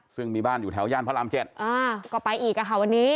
ซึ่งมีบ้านอยู่แถวย่านพระรามเจ็ดอ่าก็ไปอีกอะค่ะวันนี้